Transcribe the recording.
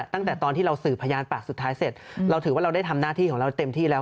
ตั้งแต่ตอนที่เราสื่อพยานปากสุดท้ายเสร็จเราถือว่าเราได้ทำหน้าที่ของเราเต็มที่แล้ว